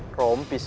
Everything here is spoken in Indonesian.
iya mama beli dulu